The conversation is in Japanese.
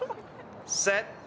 セット。